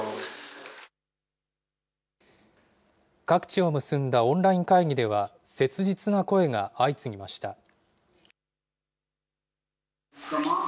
各地を結んだオンライン会議では、切実な声が相次ぎました。